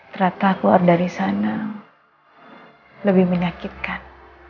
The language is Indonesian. ternyata keluar dari sana lebih menyakitkan